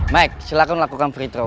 mike silahkan lakukan free throw